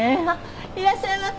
いらっしゃいませ。